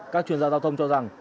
các chuyên gia giao thông cho rằng